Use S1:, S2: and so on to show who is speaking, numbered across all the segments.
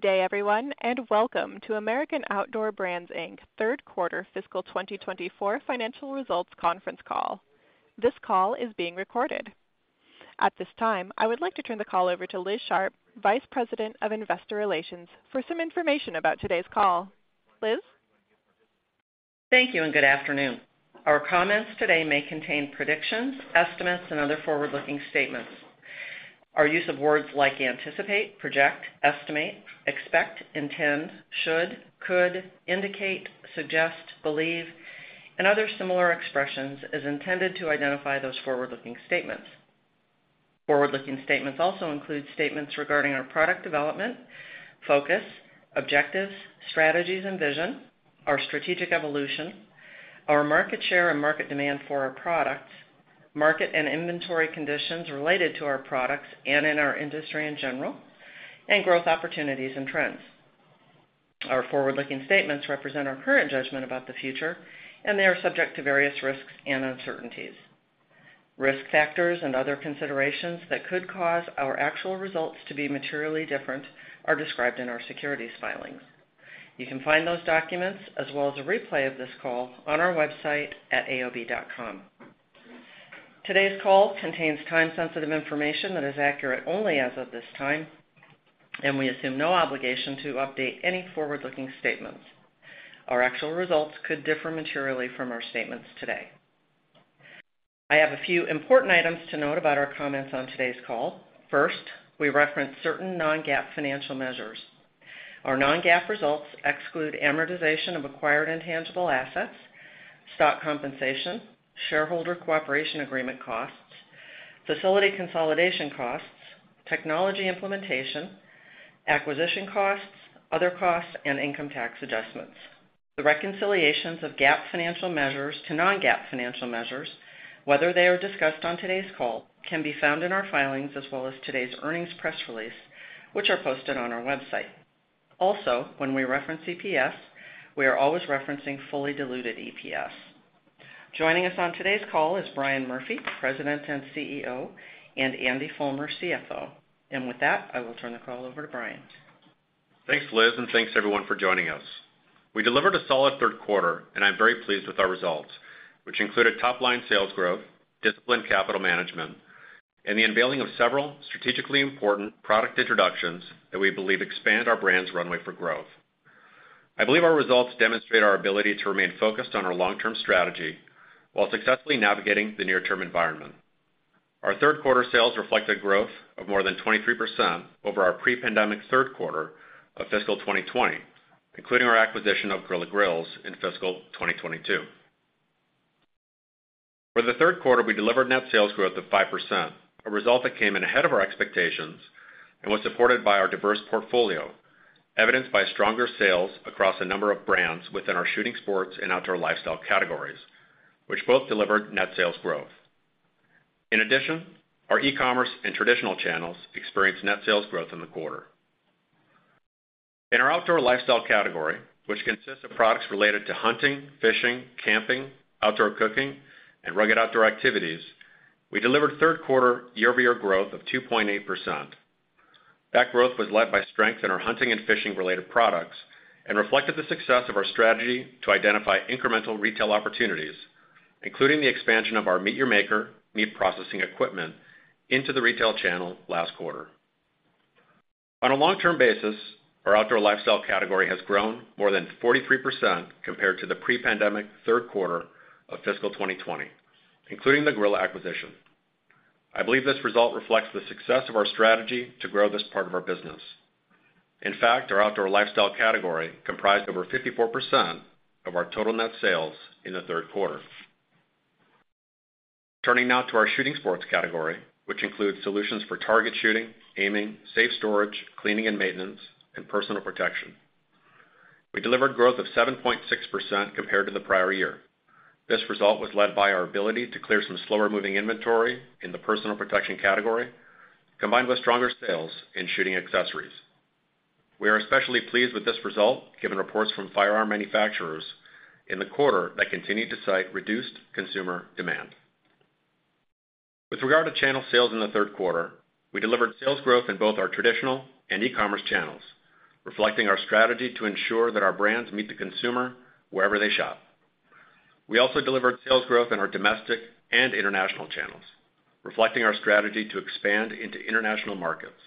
S1: Good day, everyone, and welcome to American Outdoor Brands, Inc. Third Quarter Fiscal 2024 Financial Results Conference Call. This call is being recorded. At this time, I would like to turn the call over to Liz Sharp, Vice President of Investor Relations, for some information about today's call. Liz?
S2: Thank you and good afternoon. Our comments today may contain predictions, estimates, and other forward-looking statements. Our use of words like anticipate, project, estimate, expect, intend, should, could, indicate, suggest, believe, and other similar expressions is intended to identify those forward-looking statements. Forward-looking statements also include statements regarding our product development, focus, objectives, strategies, and vision, our strategic evolution, our market share and market demand for our products, market and inventory conditions related to our products and in our industry in general, and growth opportunities and trends. Our forward-looking statements represent our current judgment about the future, and they are subject to various risks and uncertainties. Risk factors and other considerations that could cause our actual results to be materially different are described in our securities filings. You can find those documents as well as a replay of this call on our website at aob.com. Today's call contains time-sensitive information that is accurate only as of this time, and we assume no obligation to update any forward-looking statements. Our actual results could differ materially from our statements today. I have a few important items to note about our comments on today's call. First, we reference certain non-GAAP financial measures. Our non-GAAP results exclude amortization of acquired intangible assets, stock compensation, shareholder cooperation agreement costs, facility consolidation costs, technology implementation, acquisition costs, other costs, and income tax adjustments. The reconciliations of GAAP financial measures to non-GAAP financial measures, whether they are discussed on today's call, can be found in our filings as well as today's earnings press release, which are posted on our website. Also, when we reference EPS, we are always referencing fully diluted EPS. Joining us on today's call is Brian Murphy, President and CEO, and Andy Fulmer, CFO. With that, I will turn the call over to Brian.
S3: Thanks, Liz, and thanks everyone for joining us. We delivered a solid third quarter, and I'm very pleased with our results, which included top-line sales growth, disciplined capital management, and the unveiling of several strategically important product introductions that we believe expand our brand's runway for growth. I believe our results demonstrate our ability to remain focused on our long-term strategy while successfully navigating the near-term environment. Our third quarter sales reflected growth of more than 23% over our pre-pandemic third quarter of fiscal 2020, including our acquisition of Grilla Grills in fiscal 2022. For the third quarter, we delivered net sales growth of 5%, a result that came in ahead of our expectations and was supported by our diverse portfolio, evidenced by stronger sales across a number of brands within our shooting sports and outdoor lifestyle categories, which both delivered net sales growth. In addition, our e-commerce and traditional channels experienced net sales growth in the quarter. In our outdoor lifestyle category, which consists of products related to hunting, fishing, camping, outdoor cooking, and rugged outdoor activities, we delivered third quarter year-over-year growth of 2.8%. That growth was led by strength in our hunting and fishing-related products and reflected the success of our strategy to identify incremental retail opportunities, including the expansion of our MEAT! Your Maker, meat processing equipment, into the retail channel last quarter. On a long-term basis, our outdoor lifestyle category has grown more than 43% compared to the pre-pandemic third quarter of fiscal 2020, including the grill acquisition. I believe this result reflects the success of our strategy to grow this part of our business. In fact, our outdoor lifestyle category comprised over 54% of our total net sales in the third quarter. Turning now to our shooting sports category, which includes solutions for target shooting, aiming, safe storage, cleaning and maintenance, and personal protection. We delivered growth of 7.6% compared to the prior year. This result was led by our ability to clear some slower-moving inventory in the personal protection category, combined with stronger sales in shooting accessories. We are especially pleased with this result given reports from firearm manufacturers in the quarter that continue to cite reduced consumer demand. With regard to channel sales in the third quarter, we delivered sales growth in both our traditional and e-commerce channels, reflecting our strategy to ensure that our brands meet the consumer wherever they shop. We also delivered sales growth in our domestic and international channels, reflecting our strategy to expand into international markets.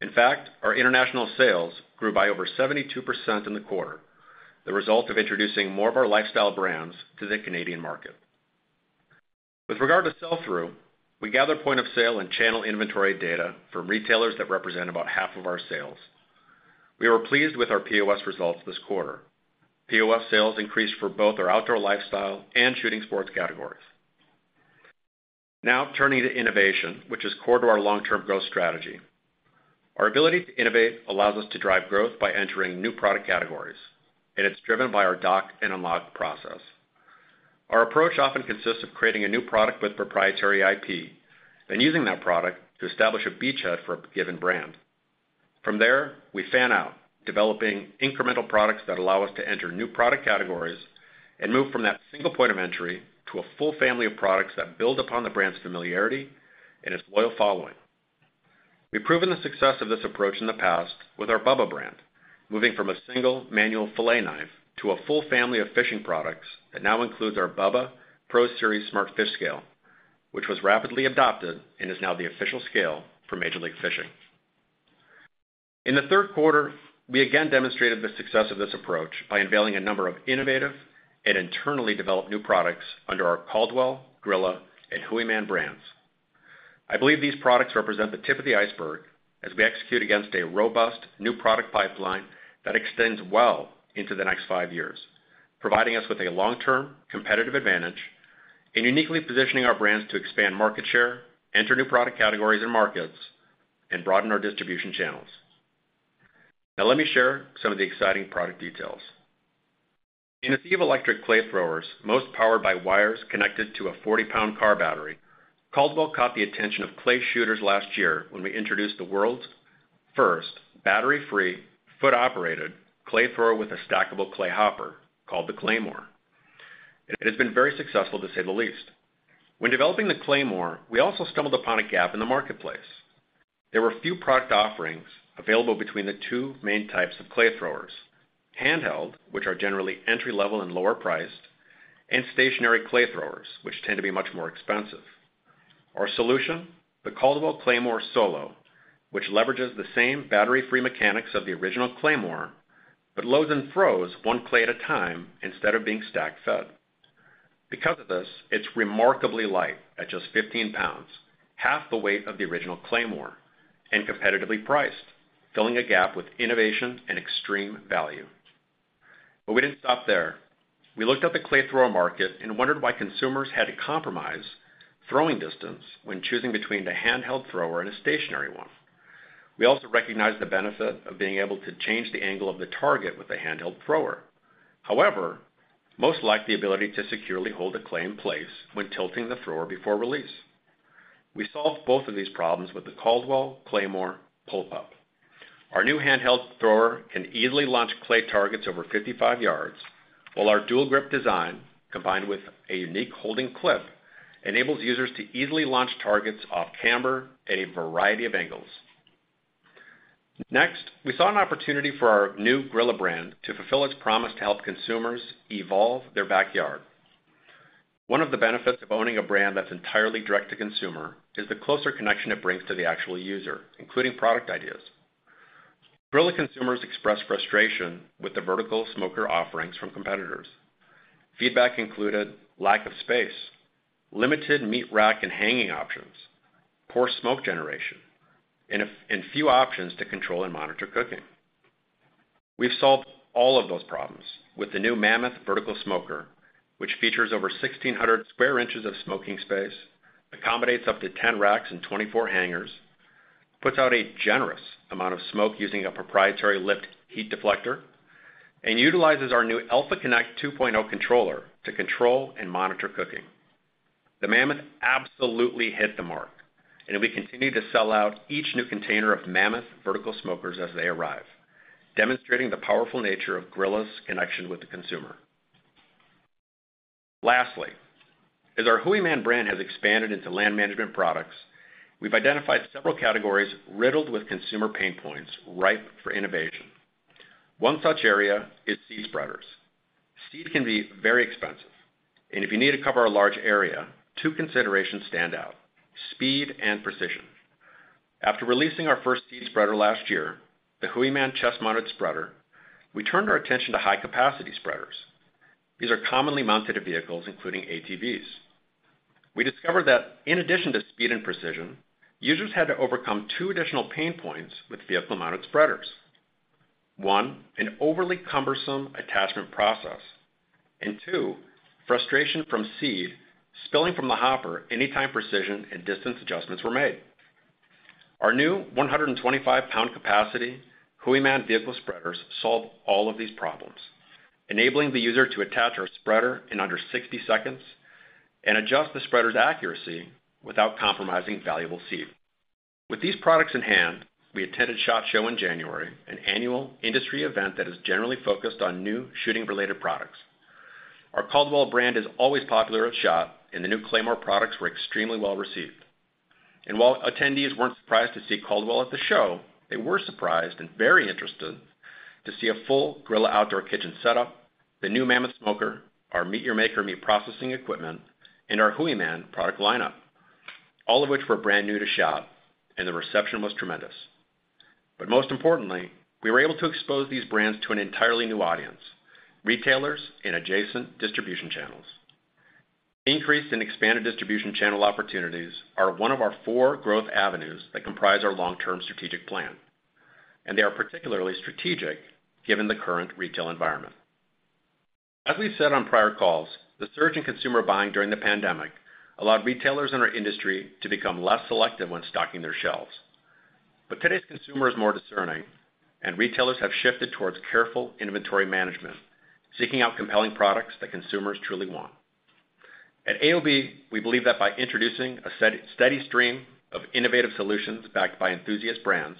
S3: In fact, our international sales grew by over 72% in the quarter, the result of introducing more of our lifestyle brands to the Canadian market. With regard to sell-through, we gather point-of-sale and channel inventory data from retailers that represent about half of our sales. We were pleased with our POS results this quarter. POS sales increased for both our outdoor lifestyle and shooting sports categories. Now turning to innovation, which is core to our long-term growth strategy. Our ability to innovate allows us to drive growth by entering new product categories, and it's driven by our Dock & Unlock process. Our approach often consists of creating a new product with proprietary IP and using that product to establish a beachhead for a given brand. From there, we fan out, developing incremental products that allow us to enter new product categories and move from that single point of entry to a full family of products that build upon the brand's familiarity and its loyal following. We've proven the success of this approach in the past with our Bubba brand, moving from a single manual filet knife to a full family of fishing products that now includes our Bubba Pro Series Smart Fish Scale, which was rapidly adopted and is now the official scale for Major League Fishing. In the third quarter, we again demonstrated the success of this approach by unveiling a number of innovative and internally developed new products under our Caldwell, Grilla, and Hooyman brands. I believe these products represent the tip of the iceberg as we execute against a robust new product pipeline that extends well into the next five years, providing us with a long-term competitive advantage and uniquely positioning our brands to expand market share, enter new product categories and markets, and broaden our distribution channels. Now let me share some of the exciting product details. In a sea of electric clay throwers, most powered by wires connected to a 40-pound car battery, Caldwell caught the attention of clay shooters last year when we introduced the world's first battery-free, foot-operated clay thrower with a stackable clay hopper called the Claymore. It has been very successful, to say the least. When developing the Claymore, we also stumbled upon a gap in the marketplace. There were few product offerings available between the two main types of clay throwers: handheld, which are generally entry-level and lower-priced, and stationary clay throwers, which tend to be much more expensive. Our solution, the Caldwell Claymore Solo, which leverages the same battery-free mechanics of the original Claymore but loads and throws one clay at a time instead of being stack-fed. Because of this, it's remarkably light at just 15 pounds, half the weight of the original Claymore, and competitively priced, filling a gap with innovation and extreme value. But we didn't stop there. We looked at the clay thrower market and wondered why consumers had to compromise throwing distance when choosing between a handheld thrower and a stationary one. We also recognized the benefit of being able to change the angle of the target with a handheld thrower. However, most lack the ability to securely hold a clay in place when tilting the thrower before release. We solved both of these problems with the Caldwell Claymore Pull-Pup. Our new handheld thrower can easily launch clay targets over 55 yards, while our dual-grip design, combined with a unique holding clip, enables users to easily launch targets off camber at a variety of angles. Next, we saw an opportunity for our new Grilla brand to fulfill its promise to help consumers evolve their backyard. One of the benefits of owning a brand that's entirely direct to consumer is the closer connection it brings to the actual user, including product ideas. Grilla consumers expressed frustration with the vertical smoker offerings from competitors. Feedback included lack of space, limited meat rack and hanging options, poor smoke generation, and few options to control and monitor cooking. We've solved all of those problems with the new Mammoth vertical smoker, which features over 1,600 square inches of smoking space, accommodates up to 10 racks and 24 hangers, puts out a generous amount of smoke using a proprietary lift heat deflector, and utilizes our new Alpha Connect 2.0 controller to control and monitor cooking. The Mammoth absolutely hit the mark, and we continue to sell out each new container of Mammoth vertical smokers as they arrive, demonstrating the powerful nature of Grilla's connection with the consumer. Lastly, as our Hooyman brand has expanded into land management products, we've identified several categories riddled with consumer pain points ripe for innovation. One such area is seed spreaders. Seed can be very expensive, and if you need to cover a large area, two considerations stand out: speed and precision. After releasing our first seed spreader last year, the Hooyman chest-mounted spreader, we turned our attention to high-capacity spreaders. These are commonly mounted to vehicles, including ATVs. We discovered that in addition to speed and precision, users had to overcome two additional pain points with vehicle-mounted spreaders: one, an overly cumbersome attachment process, and two, frustration from seed spilling from the hopper anytime precision and distance adjustments were made. Our new 125-pound capacity Hooyman vehicle spreaders solve all of these problems, enabling the user to attach our spreader in under 60 seconds and adjust the spreader's accuracy without compromising valuable seed. With these products in hand, we attended SHOT Show in January, an annual industry event that is generally focused on new shooting-related products. Our Caldwell brand is always popular at SHOT Show, and the new Claymore products were extremely well received. While attendees weren't surprised to see Caldwell at the show, they were surprised and very interested to see a full Grilla Outdoor Kitchen setup, the new Mammoth smoker, our MEAT! Your Maker, meat processing equipment, and our Hooyman product lineup, all of which were brand new to SHOT, and the reception was tremendous. Most importantly, we were able to expose these brands to an entirely new audience: retailers and adjacent distribution channels. Increased and expanded distribution channel opportunities are one of our four growth avenues that comprise our long-term strategic plan, and they are particularly strategic given the current retail environment. As we've said on prior calls, the surge in consumer buying during the pandemic allowed retailers in our industry to become less selective when stocking their shelves. Today's consumer is more discerning, and retailers have shifted towards careful inventory management, seeking out compelling products that consumers truly want. At AOB, we believe that by introducing a steady stream of innovative solutions backed by enthusiast brands,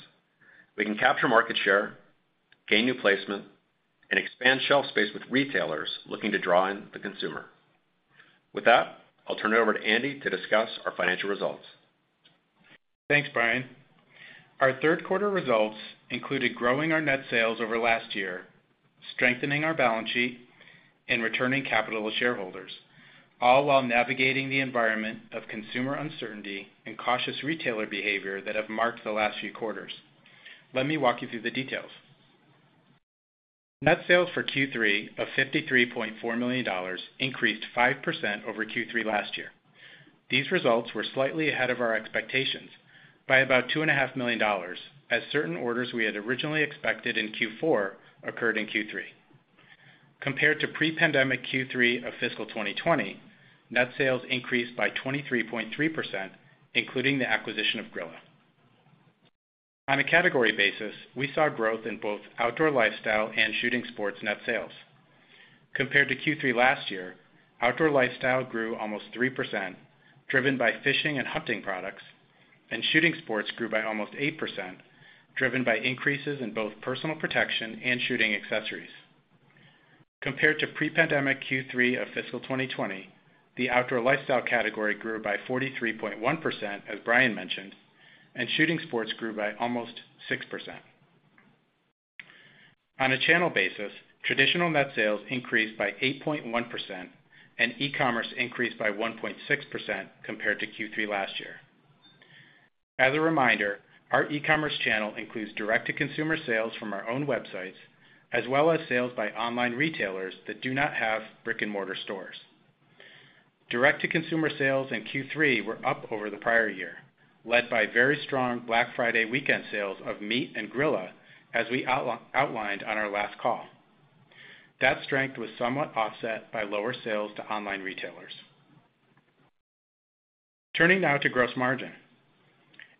S3: we can capture market share, gain new placement, and expand shelf space with retailers looking to draw in the consumer. With that, I'll turn it over to Andy to discuss our financial results.
S4: Thanks, Brian. Our third quarter results included growing our net sales over last year, strengthening our balance sheet, and returning capital to shareholders, all while navigating the environment of consumer uncertainty and cautious retailer behavior that have marked the last few quarters. Let me walk you through the details. Net sales for Q3 of $53.4 million increased 5% over Q3 last year. These results were slightly ahead of our expectations by about $2.5 million as certain orders we had originally expected in Q4 occurred in Q3. Compared to pre-pandemic Q3 of fiscal 2020, net sales increased by 23.3%, including the acquisition of Grilla. On a category basis, we saw growth in both outdoor lifestyle and shooting sports net sales. Compared to Q3 last year, outdoor lifestyle grew almost 3%, driven by fishing and hunting products, and shooting sports grew by almost 8%, driven by increases in both personal protection and shooting accessories. Compared to pre-pandemic Q3 of fiscal 2020, the outdoor lifestyle category grew by 43.1%, as Brian mentioned, and shooting sports grew by almost 6%. On a channel basis, traditional net sales increased by 8.1%, and e-commerce increased by 1.6% compared to Q3 last year. As a reminder, our e-commerce channel includes direct-to-consumer sales from our own websites as well as sales by online retailers that do not have brick-and-mortar stores. Direct-to-consumer sales in Q3 were up over the prior year, led by very strong Black Friday weekend sales of MEAT and Grilla, as we outlined on our last call. That strength was somewhat offset by lower sales to online retailers. Turning now to gross margin.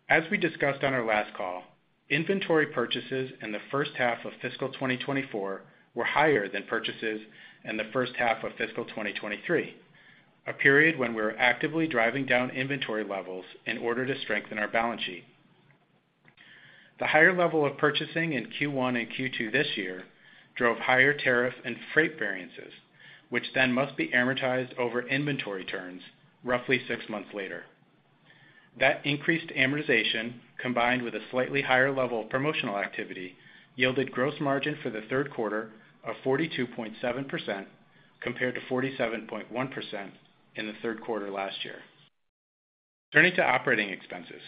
S4: As we discussed on our last call, inventory purchases in the first half of fiscal 2024 were higher than purchases in the first half of fiscal 2023, a period when we were actively driving down inventory levels in order to strengthen our balance sheet. The higher level of purchasing in Q1 and Q2 this year drove higher tariff and freight variances, which then must be amortized over inventory turns roughly six months later. That increased amortization, combined with a slightly higher level of promotional activity, yielded gross margin for the third quarter of 42.7% compared to 47.1% in the third quarter last year. Turning to operating expenses.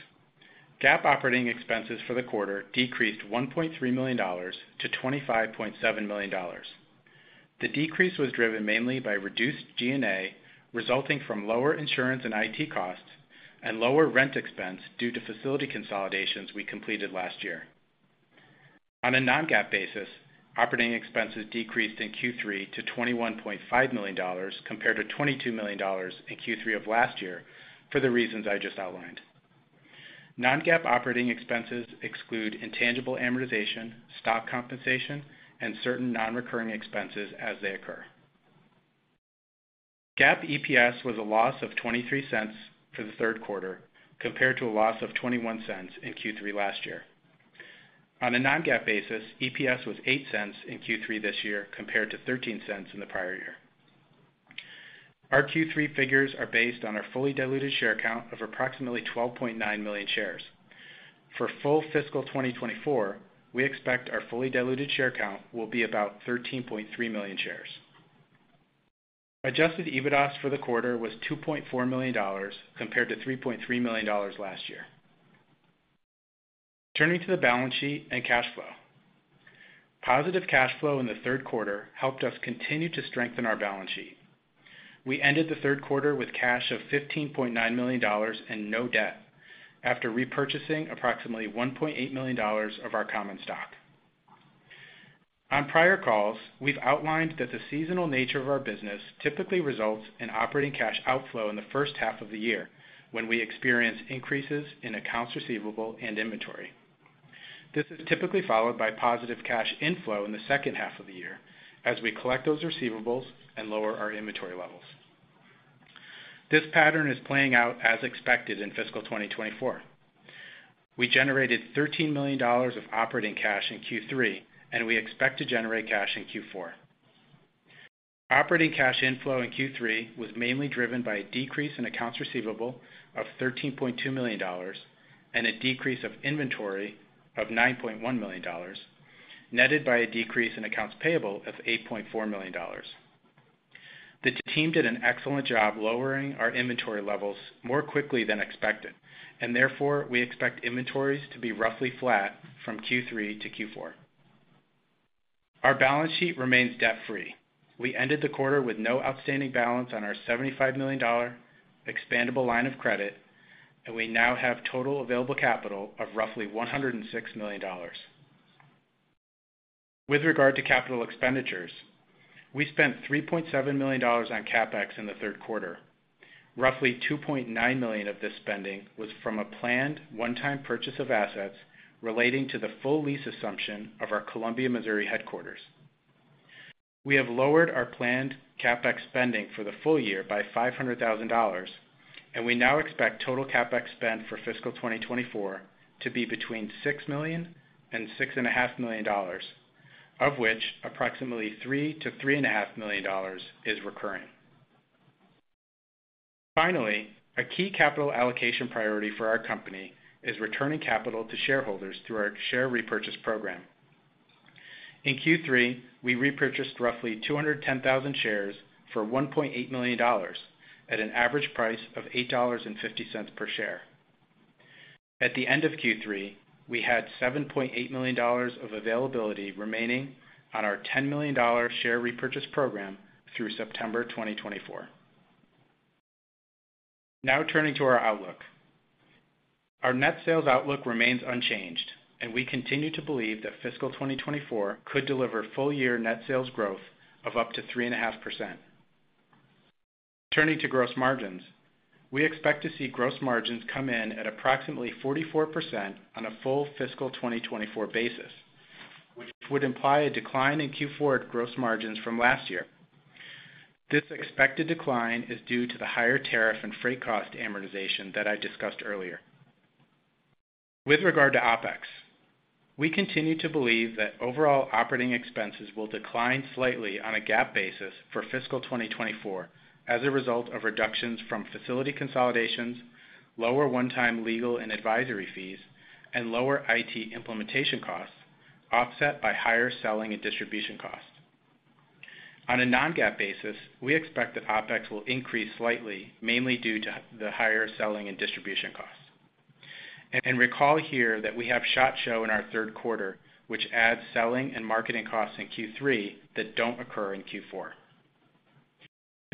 S4: GAAP operating expenses for the quarter decreased $1.3 million to $25.7 million. The decrease was driven mainly by reduced G&A resulting from lower insurance and IT costs and lower rent expense due to facility consolidations we completed last year. On a non-GAAP basis, operating expenses decreased in Q3 to $21.5 million compared to $22 million in Q3 of last year for the reasons I just outlined. Non-GAAP operating expenses exclude intangible amortization, stock compensation, and certain non-recurring expenses as they occur. GAAP EPS was a loss of $0.23 for the third quarter compared to a loss of $0.21 in Q3 last year. On a Non-GAAP basis, EPS was $0.08 in Q3 this year compared to $0.13 in the prior year. Our Q3 figures are based on our fully diluted share count of approximately 12.9 million shares. For full fiscal 2024, we expect our fully diluted share count will be about 13.3 million shares. Adjusted EBITDA for the quarter was $2.4 million compared to $3.3 million last year. Turning to the balance sheet and cash flow. Positive cash flow in the third quarter helped us continue to strengthen our balance sheet. We ended the third quarter with cash of $15.9 million and no debt after repurchasing approximately $1.8 million of our common stock. On prior calls, we've outlined that the seasonal nature of our business typically results in operating cash outflow in the first half of the year when we experience increases in accounts receivable and inventory. This is typically followed by positive cash inflow in the second half of the year as we collect those receivables and lower our inventory levels. This pattern is playing out as expected in fiscal 2024. We generated $13 million of operating cash in Q3, and we expect to generate cash in Q4. Operating cash inflow in Q3 was mainly driven by a decrease in accounts receivable of $13.2 million and a decrease of inventory of $9.1 million, netted by a decrease in accounts payable of $8.4 million. The team did an excellent job lowering our inventory levels more quickly than expected, and therefore we expect inventories to be roughly flat from Q3 to Q4. Our balance sheet remains debt-free. We ended the quarter with no outstanding balance on our $75 million expandable line of credit, and we now have total available capital of roughly $106 million. With regard to capital expenditures, we spent $3.7 million on CapEx in the third quarter. Roughly $2.9 million of this spending was from a planned one-time purchase of assets relating to the full lease assumption of our Columbia, Missouri headquarters. We have lowered our planned CapEx spending for the full year by $500,000, and we now expect total CapEx spend for fiscal 2024 to be between $6 million-$6.5 million, of which approximately $3 million-$3.5 million is recurring. Finally, a key capital allocation priority for our company is returning capital to shareholders through our share repurchase program. In Q3, we repurchased roughly 210,000 shares for $1.8 million at an average price of $8.50 per share. At the end of Q3, we had $7.8 million of availability remaining on our $10 million share repurchase program through September 2024. Now turning to our outlook. Our net sales outlook remains unchanged, and we continue to believe that fiscal 2024 could deliver full-year net sales growth of up to 3.5%. Turning to gross margins, we expect to see gross margins come in at approximately 44% on a full fiscal 2024 basis, which would imply a decline in Q4 gross margins from last year. This expected decline is due to the higher tariff and freight cost amortization that I discussed earlier. With regard to OpEx, we continue to believe that overall operating expenses will decline slightly on a GAAP basis for fiscal 2024 as a result of reductions from facility consolidations, lower one-time legal and advisory fees, and lower IT implementation costs offset by higher selling and distribution costs. On a non-GAAP basis, we expect that OpEx will increase slightly, mainly due to the higher selling and distribution costs. Recall here that we have SHOT Show in our third quarter, which adds selling and marketing costs in Q3 that don't occur in Q4.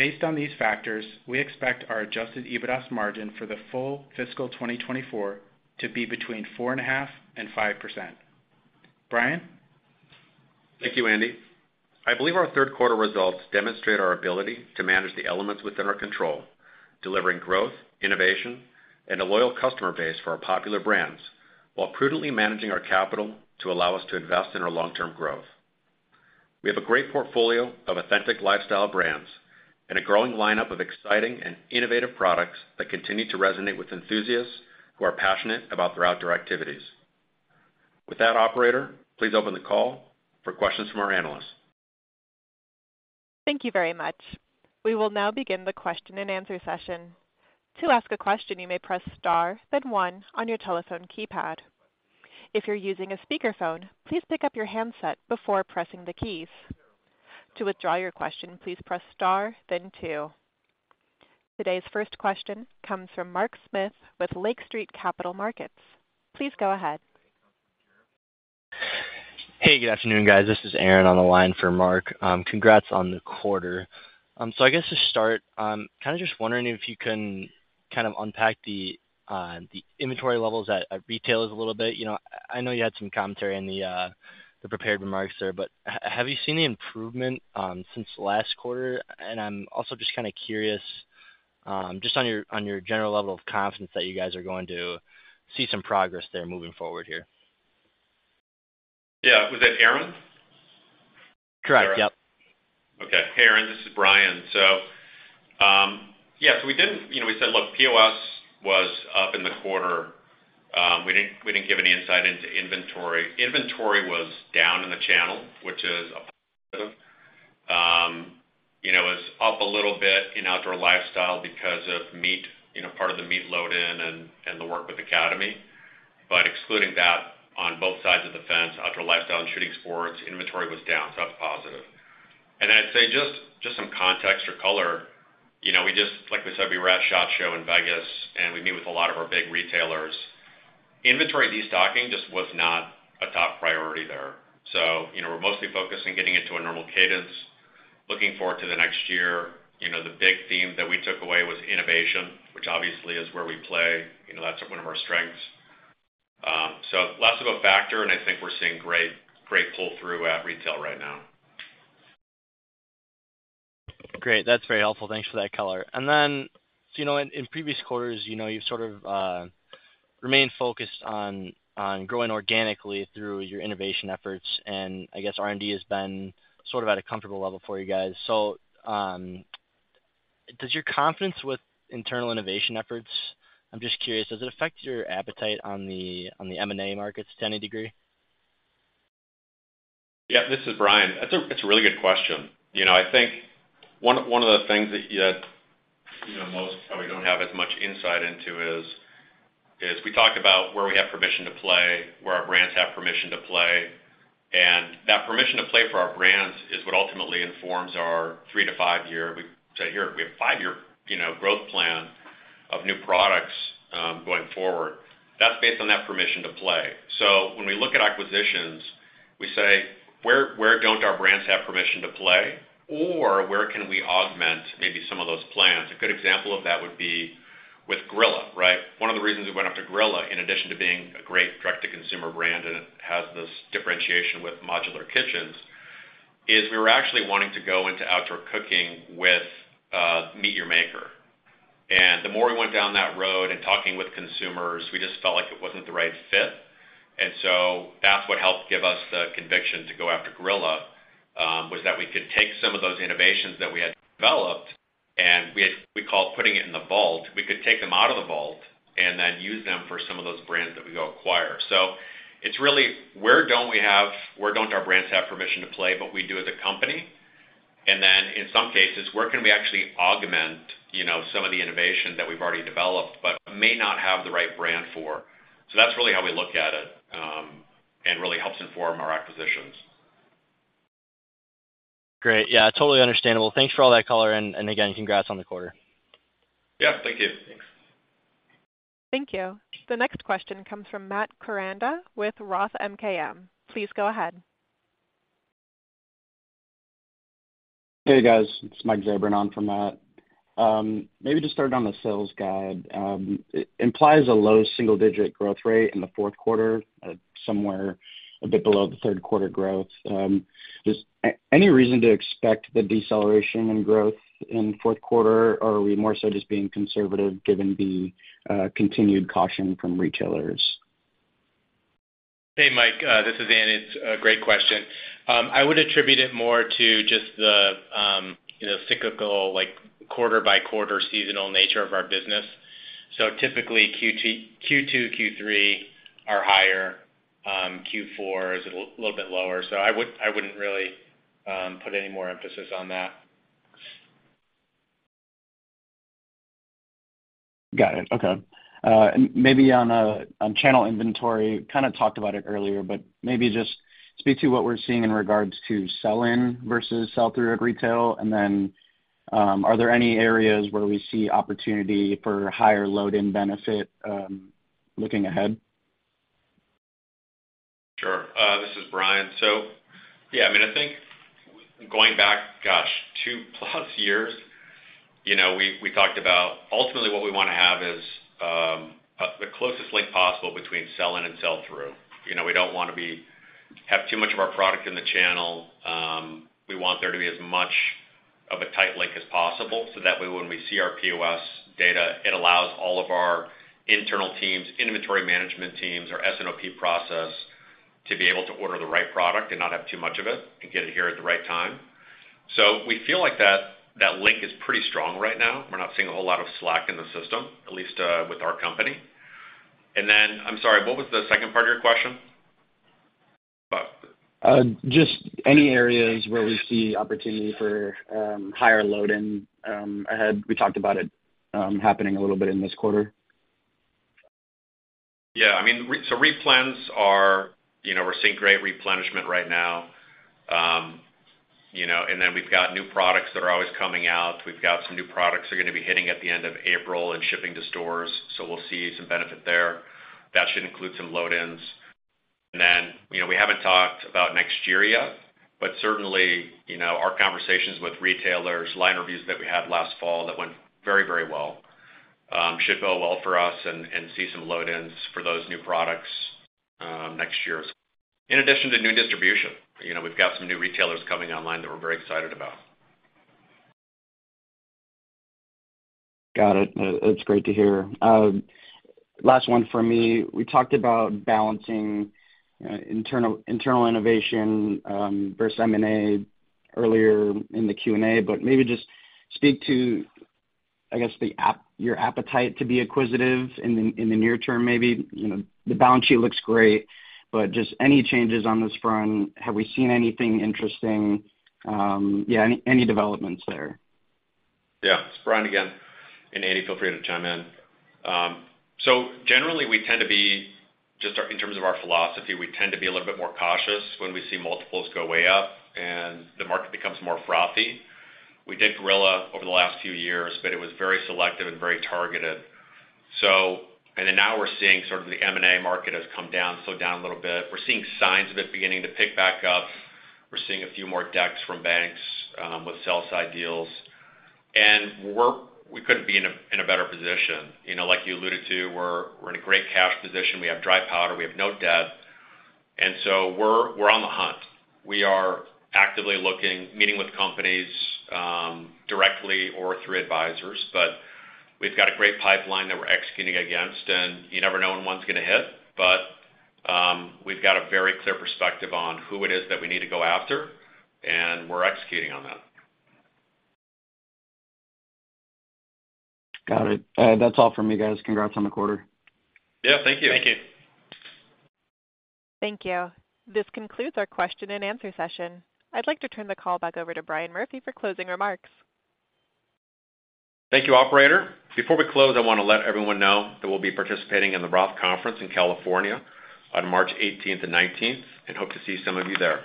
S4: Based on these factors, we expect our adjusted EBITDA margin for the full fiscal 2024 to be between 4.5%-5%. Brian?
S3: Thank you, Andy. I believe our third quarter results demonstrate our ability to manage the elements within our control, delivering growth, innovation, and a loyal customer base for our popular brands while prudently managing our capital to allow us to invest in our long-term growth. We have a great portfolio of authentic lifestyle brands and a growing lineup of exciting and innovative products that continue to resonate with enthusiasts who are passionate about their outdoor activities. With that, operator, please open the call for questions from our analysts.
S1: Thank you very much. We will now begin the question and answer session. To ask a question, you may press star, then one, on your telephone keypad. If you're using a speakerphone, please pick up your handset before pressing the keys. To withdraw your question, please press star, then two. Today's first question comes from Mark Smith with Lake Street Capital Markets. Please go ahead.
S5: Hey. Good afternoon, guys. This is Aaron on the line for Mark. Congrats on the quarter. So I guess to start, I'm kind of just wondering if you can kind of unpack the inventory levels at retailers a little bit. You know, I know you had some commentary in the prepared remarks there, but have you seen any improvement since last quarter? And I'm also just kind of curious, just on your general level of confidence that you guys are going to see some progress there moving forward here.
S3: Yeah. Was that Aaron?
S5: Correct. Yep.
S3: Okay. Hey, Aaron. This is Brian. So, yeah. So we didn't, you know, we said, "Look, POS was up in the quarter. We didn't give any insight into inventory. Inventory was down in the channel, which is a positive. You know, it was up a little bit in outdoor lifestyle because of MEAT, you know, part of the MEAT load-in and the work with the academy. But excluding that, on both sides of the fence, outdoor lifestyle and shooting sports, inventory was down. So that's positive." And then I'd say just some context or color. You know, we just, like we said, we were at SHOT Show in Vegas, and we meet with a lot of our big retailers. Inventory destocking just was not a top priority there. So, you know, we're mostly focused on getting into a normal cadence, looking forward to the next year. You know, the big theme that we took away was innovation, which obviously is where we play. You know, that's one of our strengths. So less of a factor, and I think we're seeing great, great pull-through at retail right now.
S5: Great. That's very helpful. Thanks for that color. And then so, you know, in previous quarters, you know, you've sort of remained focused on growing organically through your innovation efforts, and I guess R&D has been sort of at a comfortable level for you guys. So, does your confidence with internal innovation efforts, I'm just curious, does it affect your appetite on the M&A markets to any degree?
S3: Yep. This is Brian. That's a that's a really good question. You know, I think one, one of the things that, that, you know, most probably don't have as much insight into is, is we talk about where we have permission to play, where our brands have permission to play. And that permission to play for our brands is what ultimately informs our three to five-year we say, "Here, we have a five-year, you know, growth plan of new products, going forward." That's based on that permission to play. So when we look at acquisitions, we say, "Where, where don't our brands have permission to play, or where can we augment maybe some of those plans?" A good example of that would be with Grilla, right? One of the reasons we went up to Grilla, in addition to being a great direct-to-consumer brand and it has this differentiation with modular kitchens, is we were actually wanting to go into outdoor cooking with MEAT! Your Maker. And the more we went down that road and talking with consumers, we just felt like it wasn't the right fit. And so that's what helped give us the conviction to go after Grilla, was that we could take some of those innovations that we had developed and we called putting it in the vault. We could take them out of the vault and then use them for some of those brands that we go acquire. So it's really where don't our brands have permission to play but we do as a company? And then in some cases, where can we actually augment, you know, some of the innovation that we've already developed but may not have the right brand for? So that's really how we look at it, and really helps inform our acquisitions.
S5: Great. Yeah. Totally understandable. Thanks for all that color, and again, congrats on the quarter.
S3: Yeah. Thank you.
S4: Thanks.
S1: Thank you. The next question comes from Matt Koranda with Roth MKM. Please go ahead.
S6: Hey, guys. It's Mike Zabran on from Matt. Maybe to start on the sales guide, it implies a low single-digit growth rate in the fourth quarter, somewhere a bit below the third-quarter growth. Does any reason to expect the deceleration in growth in fourth quarter, or are we more so just being conservative given the continued caution from retailers?
S4: Hey, Mike. This is Andy. It's a great question. I would attribute it more to just the, you know, cyclical, like, quarter-by-quarter seasonal nature of our business. So typically, Q2, Q3 are higher. Q4 is a little bit lower. So I wouldn't really put any more emphasis on that.
S6: Got it. Okay. Maybe on, on channel inventory, kind of talked about it earlier, but maybe just speak to what we're seeing in regards to sell-in versus sell-through at retail. And then, are there any areas where we see opportunity for higher load-in benefit, looking ahead?
S3: Sure. This is Brian. So yeah. I mean, I think going back, gosh, 2+ years, you know, we talked about ultimately what we want to have is the closest link possible between sell-in and sell-through. You know, we don't want to have too much of our product in the channel. We want there to be as much of a tight link as possible so that way, when we see our POS data, it allows all of our internal teams, inventory management teams, our S&OP process, to be able to order the right product and not have too much of it and get it here at the right time. So we feel like that link is pretty strong right now. We're not seeing a whole lot of slack in the system, at least with our company. And then I'm sorry. What was the second part of your question?
S6: Just any areas where we see opportunity for higher load-in ahead. We talked about it happening a little bit in this quarter.
S3: Yeah. I mean, the replens are, you know, we're seeing great replenishment right now. You know, and then we've got new products that are always coming out. We've got some new products that are going to be hitting at the end of April and shipping to stores, so we'll see some benefit there. That should include some load-ins. And then, you know, we haven't talked about next year yet, but certainly, you know, our conversations with retailers, line reviews that we had last fall that went very, very well, should go well for us and see some load-ins for those new products, next year as well. In addition to new distribution. You know, we've got some new retailers coming online that we're very excited about.
S6: Got it. That's great to hear. Last one for me. We talked about balancing, you know, internal innovation, versus M&A earlier in the Q&A, but maybe just speak to, I guess, your appetite to be acquisitive in the near term maybe. You know, the balance sheet looks great, but just any changes on this front? Have we seen anything interesting? Yeah. Any developments there?
S3: Yeah. It's Brian again. And Andy, feel free to chime in. So generally, we tend to be just a little more cautious in terms of our philosophy. We tend to be a little bit more cautious when we see multiples go way up and the market becomes more frothy. We did Grilla over the last few years, but it was very selective and very targeted. So and then now we're seeing sort of the M&A market has come down, slowed down a little bit. We're seeing signs of it beginning to pick back up. We're seeing a few more decks from banks, with sell-side deals. And we couldn't be in a better position. You know, like you alluded to, we're in a great cash position. We have dry powder. We have no debt. And so we're on the hunt. We are actively looking, meeting with companies, directly or through advisors, but we've got a great pipeline that we're executing against. You never know when one's going to hit, but, we've got a very clear perspective on who it is that we need to go after, and we're executing on that.
S6: Got it. That's all from me, guys. Congrats on the quarter.
S3: Yeah. Thank you.
S4: Thank you.
S1: Thank you. This concludes our question and answer session. I'd like to turn the call back over to Brian Murphy for closing remarks.
S3: Thank you, operator. Before we close, I want to let everyone know that we'll be participating in the Roth Conference in California on March 18th and 19th and hope to see some of you there.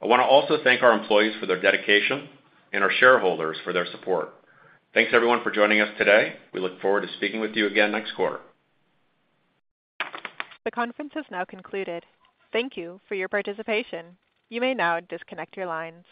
S3: I want to also thank our employees for their dedication and our shareholders for their support. Thanks, everyone, for joining us today. We look forward to speaking with you again next quarter.
S1: The conference has now concluded. Thank you for your participation. You may now disconnect your lines.